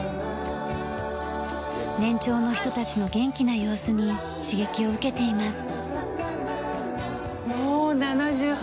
年長の人たちの元気な様子に刺激を受けています。